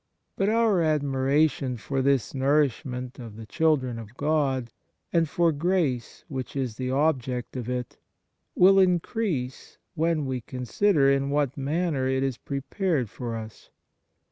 But our admiration for this nourishment of the children of God, and for grace which is the object of it, will increase when we consider in what manner it is prepared for us.